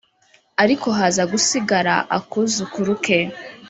ariko haza gusigara a kuzukuru ke